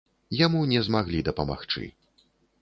Яму не змаглі дапамагчы.